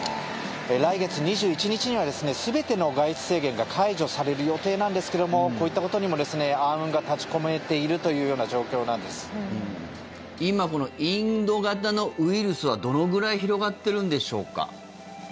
来月２１日には全ての外出制限が解除される予定なんですけどもこういったことにも、暗雲が立ち込めているというような今、インド型のウイルスはどのくらい広がっているんでしょうか。